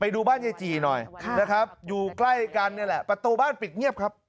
ดูบ้านยายจีหน่อยนะครับอยู่ใกล้กันนี่แหละประตูบ้านปิดเงียบครับ